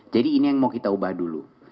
jadi ini yang mau kita ubah dulu